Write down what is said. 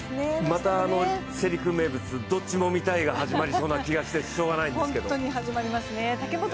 また世陸名物、どっちも見たいが始まりそうな気がしてしょうがないんですけど。